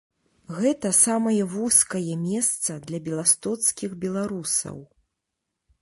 Гэта самае вузкае месца для беластоцкіх беларусаў.